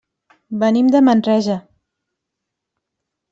Venim de Manresa.